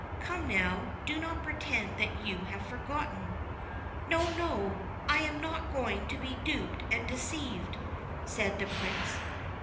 Come, now, do not pretend that you have forgotten.' ' No ! no ! I am not going to be duped and deceived,' said the Prince.